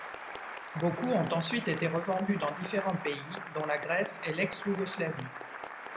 Beaucoup ont ensuite été revendus dans différents pays dont la Grèce et l'ex Yougoslavie.